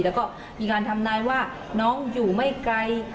แล้วก็มีการทำนายว่าน้องอยู่ไม่ไกล